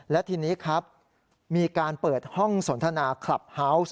และทีนี้ครับมีการเปิดห้องสนทนาคลับเฮาวส์